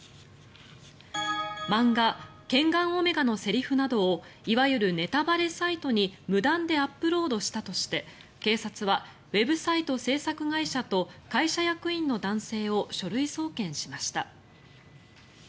漫画「ケンガンオメガ」のセリフなどをいわゆるネタバレサイトに無断でアップロードしたとして警察はウェブサイト制作会社と会社役員の男性を書類送検しました。